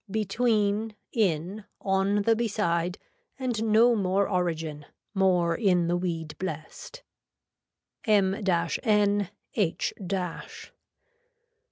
Between, in, on the beside, and no more origin, more in the weed blessed. M N H